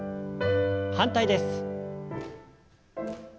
反対です。